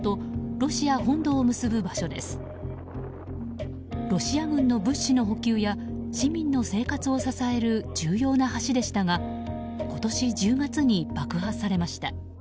ロシア軍の物資の補給や市民の生活を支える重要な橋でしたが今年１０月に爆破されました。